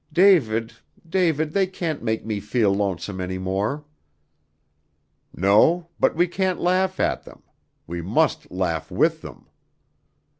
David David they can't make me feel lonesome any more." "No, but we can't laugh at them; we must laugh with them."